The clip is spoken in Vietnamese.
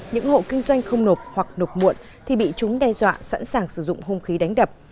những hộ kinh doanh không nộp hoặc nộp muộn thì bị chúng đe dọa sẵn sàng sử dụng hung khí đánh đập